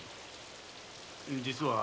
実は。